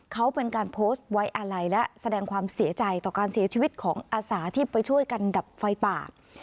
เขาเป็นการโพสต์ไว้อาลัยและแสดงความเสียใจต่อการเสียชีวิตของอาสาที่ไปช่วยกันดับไฟป่า